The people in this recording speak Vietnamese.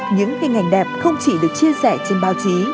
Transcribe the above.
những hình ảnh đẹp không chỉ được chia sẻ trên báo chí